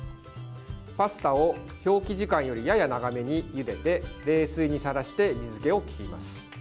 パスタを表記時間よりやや長めにゆでて冷水にさらして水けを切ります。